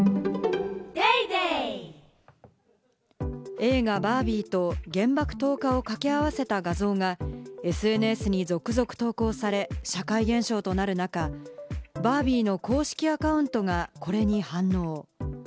映画『バービー』と原爆投下を掛け合わせた画像がＳＮＳに続々投稿され、社会現象となる中、『バービー』の公式アカウントがこれに反応。